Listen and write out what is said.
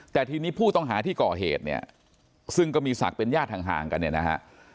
แต่ทีนี้ผู้ต้องหาที่ก่อเหตุเนี่ยซึ่งก็มีศักดิ์เป็นญาติห่างกันเนี่ยนะฮะ